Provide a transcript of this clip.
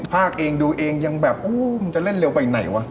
ภาคเองดูเองยังแบบโอ้มันจะเล่นเร็วไปไหนวะ